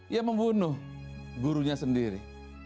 ia membunuh gurunya sendiri